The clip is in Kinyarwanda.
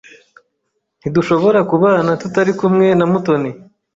Ntidushobora kubana tutari kumwe na Mutoni.